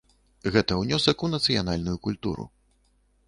Гэта ўнёсак у нацыянальную культуру.